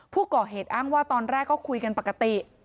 ผู้ก่อเหตุอ้างว่าตอนแรกก็คุยกันปกติ